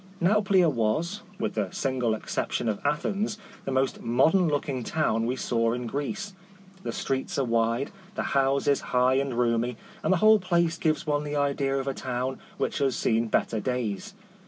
Nauplia was, with the single ex ception of Athens, the most modern looking town we saw in Greece. The streets are wide, the houses high and roomy, and the whole place gives one the idea of a town which has seen better days.